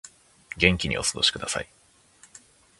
元気にお過ごしください